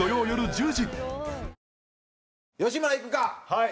はい！